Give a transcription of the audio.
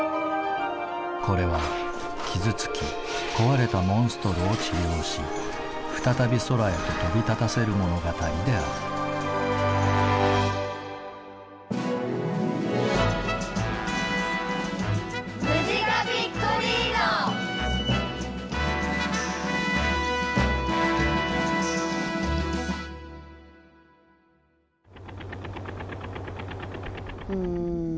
これは傷つき壊れたモンストロを治療し再び空へと飛び立たせる物語であるうん